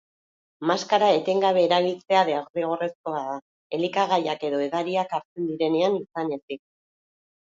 Maskara etengabe erabiltzea derrigorrezkoa da, elikagaiak edo edariak hartzen direnean izan ezik.